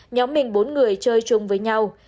nhóm mình bốn người chơi chung với nhau